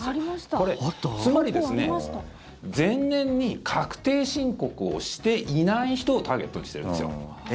これ、つまり前年に確定申告をしていない人をターゲットにしているんですよ。